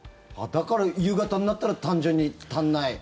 だから、夕方になったら単純に足りない。